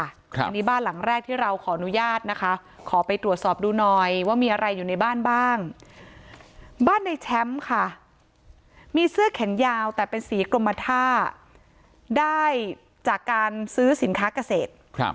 อันนี้บ้านหลังแรกที่เราขออนุญาตนะคะขอไปตรวจสอบดูหน่อยว่ามีอะไรอยู่ในบ้านบ้างบ้านในแชมป์ค่ะมีเสื้อแขนยาวแต่เป็นสีกรมท่าได้จากการซื้อสินค้าเกษตร